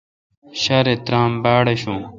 ݭارےترام باڑ آشوں۔